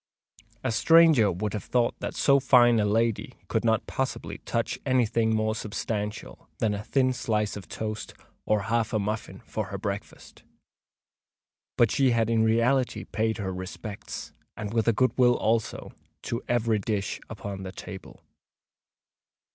A stranger would have thought that so fine a lady could not possibly touch any thing more substantial than a thin slice of toast or half a muffin for her breakfast; but she had in reality paid her respects—and with a good will also—to every dish upon the table.